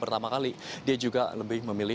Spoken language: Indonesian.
pertama kali dia juga lebih memilih